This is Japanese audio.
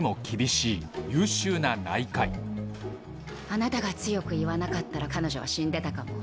あなたが強く言わなかったら彼女は死んでたかも。